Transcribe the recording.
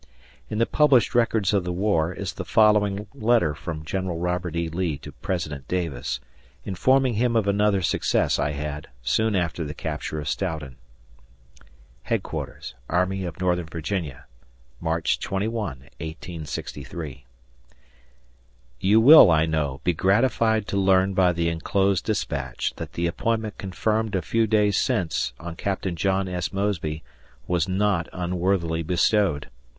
In the published records of the war is the following letter from General Robert E. Lee to President Davis, informing him of another success I had soon after the capture of Stoughton: Headquarters, Army of Northern Virginia, March 21, 1863. You will, I know, be gratified to learn by the enclosed despatch that the appointment conferred a few days since on Captain John S. Mosby was not unworthily bestowed.